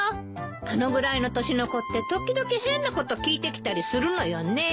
あのぐらいの年の子って時々変なこと聞いてきたりするのよね。